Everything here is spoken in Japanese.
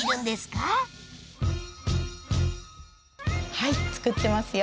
はい作ってますよ。